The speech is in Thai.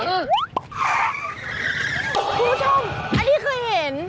คุณผู้ชมอันนี้เคยเห็น